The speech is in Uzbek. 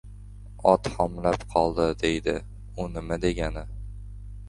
— Ot xomlab qoldi, deydi, u nima degani?